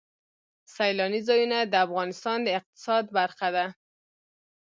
سیلانی ځایونه د افغانستان د اقتصاد برخه ده.